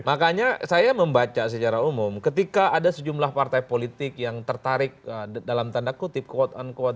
makanya saya membaca secara umum ketika ada sejumlah partai politik yang tertarik dalam tanda kutip quote unquote